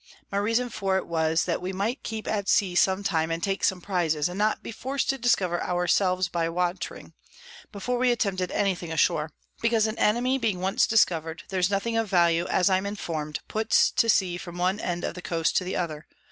My reason for it was, that we might keep at Sea some time and take some Prizes, and not be forc'd to discover our selves by watring, before we attempted any thing ashore; because an Enemy being once discover'd, there's nothing of Value, as I'm informed, puts to Sea from one end of the Coast to the other.